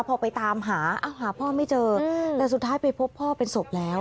พอไปตามหาหาพ่อไม่เจอแต่สุดท้ายไปพบพ่อเป็นศพแล้ว